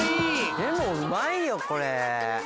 でもうまいよこれ。